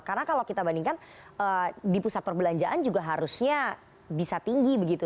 karena kalau kita bandingkan di pusat perbelanjaan juga harusnya bisa tinggi begitu